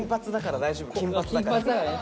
金髪だからね